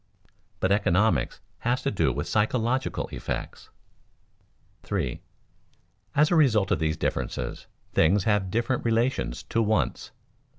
[Sidenote: But economics has to do with psychological effects] 3. _As a result of these differences, things have different relations to wants.